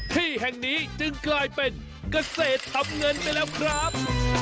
ที่แห่งนี้จึงกลายเป็นเกษตรทำเงินไปแล้วครับ